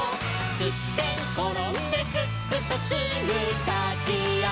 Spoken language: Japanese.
「すってんころんですっくとすぐたちあがる」